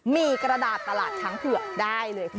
มีกระดาษตลาดช้างเผือกได้เลยค่ะ